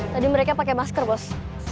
tadi mereka pakai masker bos